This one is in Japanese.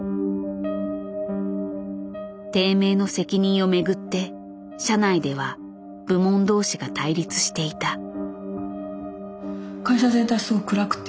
低迷の責任を巡って社内では部門同士が対立していた。